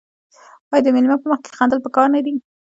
آیا د میلمه په مخ کې خندل پکار نه دي؟